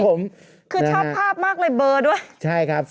ออกกำลังกายเนอะ